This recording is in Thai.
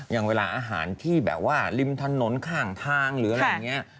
อย่างเวลาอาหารที่แบบว่าริมถนนข้างทางหรืออะไรอย่างนี้